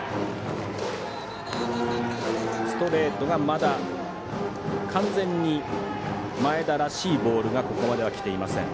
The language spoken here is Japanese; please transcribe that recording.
ストレートがまだ完全に前田らしいボールがここまでは、きていません。